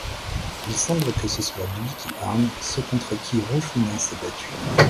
Il semble que ce soit lui qui arme ceux contre qui Rushuna s'est battue.